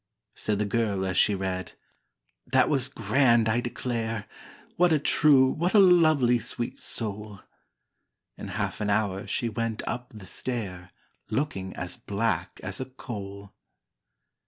Said the girl as she read, "That was grand, I declare! What a true, what a lovely, sweet soul!" In half an hour she went up the stair, Looking as black as a coal!